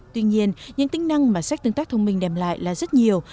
tuy nhiên những tính năng mà sách tương tác thông minh đem lại là rất nhiều